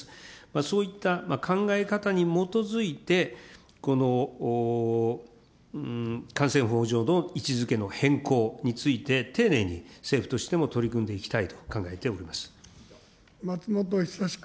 そういった考え方に基づいて、感染法上の位置づけの変更について、丁寧に政府としても取り組ん松本尚君。